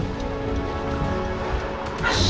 kemudian orangnya hasn't agree